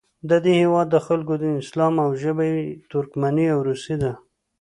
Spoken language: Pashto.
د دې هیواد خلکو دین اسلام او ژبه یې ترکمني او روسي ده.